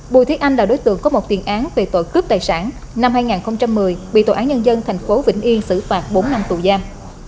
bùi thế anh là đối tượng có một tiền án về tội cướp tài sản năm hai nghìn một mươi bị tội án nhân dân thành phố vĩnh yên xử phạt bốn năm tù giam